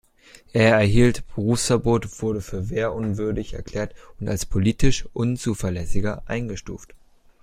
Er erhielt Berufsverbot, wurde für wehrunwürdig erklärt und als „politisch Unzuverlässiger“ eingestuft.